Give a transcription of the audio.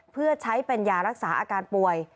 เพื่อใช้เป็นยารักษาอาการป่วย